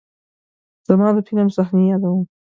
زه د فلم صحنې یادوم.